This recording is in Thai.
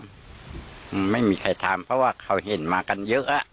อืมไม่มีใครทำเพราะว่าเขาเห็นมากันเยอะอ่ะ